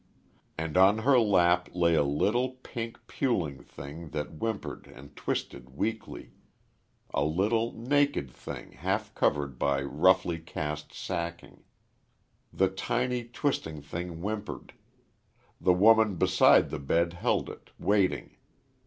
And on her lap lay a little, pink, puling thing that whimpered and twisted weakly a little, naked, thing half covered by roughly cast sacking. The tiny, twisting thing whimpered. The woman beside the bed held it, waiting.